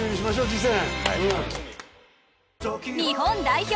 次戦。